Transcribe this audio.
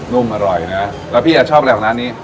นุ่มอร่อยนะแล้วพี่จะชอบอะไรของร้านนี้